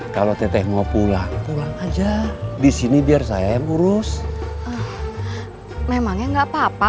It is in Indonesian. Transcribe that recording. kalau tete mau pulang pulang aja di sini biar saya yang urus memangnya nggak apa apa